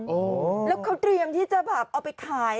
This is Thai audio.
โอ้โหแล้วเขาเตรียมที่จะแบบเอาไปขาย